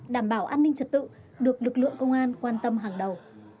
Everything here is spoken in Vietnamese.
đảm bảo an ninh trật tự được lực lượng công an quan tâm hàng đầu